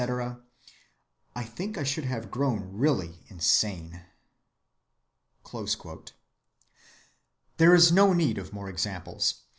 I think I should have grown really insane."(84) There is no need of more examples.